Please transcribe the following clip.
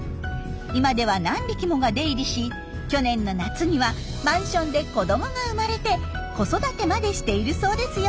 今では何匹もが出入りし去年の夏にはマンションで子どもが生まれて子育てまでしているそうですよ。